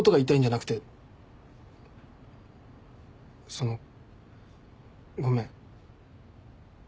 そのごめん。